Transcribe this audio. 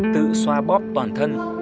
tự xoa bóp toàn thân